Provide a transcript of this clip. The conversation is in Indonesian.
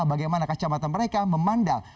bagaimana kacamata mereka memandang